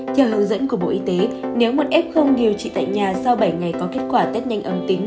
theo hướng dẫn của bộ y tế nếu một f điều trị tại nhà sau bảy ngày có kết quả test nhanh âm tính